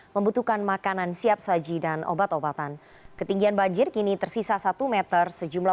membutuhkan makanan siap saji dan obat obatan ketinggian banjir kini tersisa satu meter sejumlah